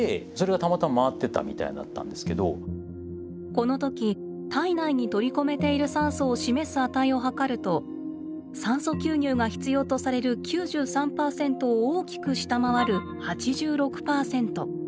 この時体内に取り込めている酸素を示す値をはかると酸素吸入が必要とされる９３％を大きく下回る８６％。